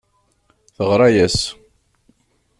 Teɣṛa-yas.